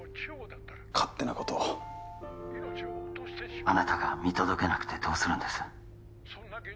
勝手なことをあなたが見届けなくてどうするんです？